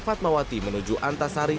fatmawati menuju antasari